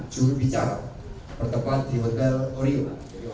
juri bicara bertempat di hotel torio